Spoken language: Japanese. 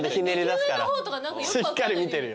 しっかり見てるよ。